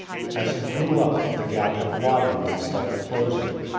As he grew up the gap had widened instead of closing.